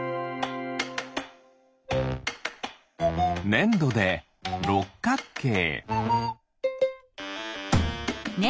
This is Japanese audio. ねんどでろっかっけい。